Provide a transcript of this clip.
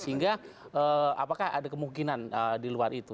sehingga apakah ada kemungkinan di luar itu